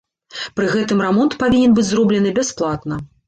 Пры гэтым рамонт павінен быць зроблены бясплатна.